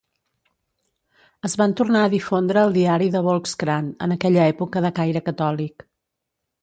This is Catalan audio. Es van tornar a difondre al diari "de Volkskrant", en aquella època de caire catòlic.